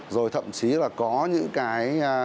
rồi thậm chí là có những cái